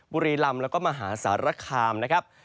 บุรีลำแล้วก็มหาสารคามนะครับ